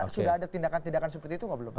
sudah ada tindakan tindakan seperti itu nggak belum